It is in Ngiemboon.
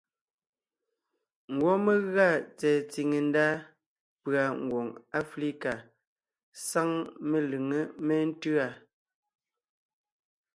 Ngwɔ́ mé gʉa tsɛ̀ɛ tsìŋe ndá pʉ̀a Ngwòŋ Aflíka sáŋ melʉŋé méntʉ́a: